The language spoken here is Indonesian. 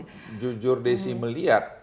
kalau jujur desi melihat